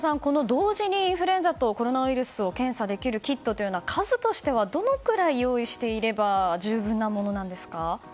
同時にインフルエンザとコロナウイルスを検査できるキットというのは数はどのくらい用意していれば十分なものなんですか？